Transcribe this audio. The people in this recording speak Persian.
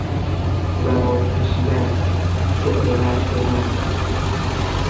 زبانه کشیدن، شعله ور شدن